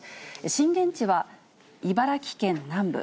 震源地は茨城県南部。